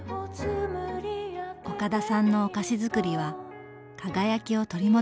岡田さんのお菓子づくりは輝きを取り戻しています。